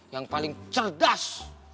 yang paling cerdas